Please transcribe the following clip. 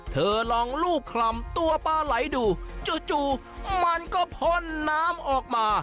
เธอลองรูปคลำตัวปลาไหลดูจู่มันก็พ่นน้ำออกมา